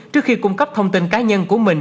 trước khi cung cấp thông tin cá nhân của mình